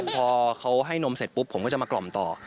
พอเขาให้นมเสร็จปุ๊บผมก็จะมากล่อมต่อ